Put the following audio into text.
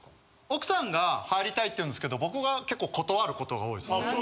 奥さんが入りたいって言うんですけど僕が結構断ることが多いです。